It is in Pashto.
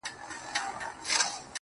دلته د جنګ دا لښكرونه بۀ دې نۀ راوستۀ